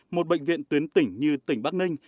một bệnh viện tuyến tỉnh như tỉnh bắc ninh